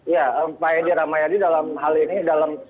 ya pak yedira mayadi dalam hal ini dalam